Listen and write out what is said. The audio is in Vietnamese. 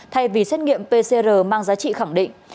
thay vì xét nghiệm pcr mang giá trị khẳng định